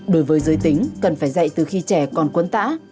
đối với giới tính cần phải dạy từ khi trẻ còn quấn tã